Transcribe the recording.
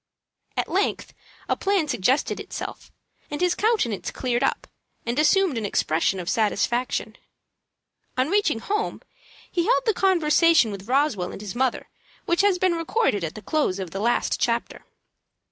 At length a plan suggested itself, and his countenance cleared up, and assumed an expression of satisfaction. On reaching home he held the conversation with Roswell and his mother which has been recorded at the close of the last chapter.